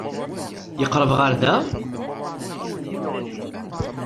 Yeqreb ɣer da?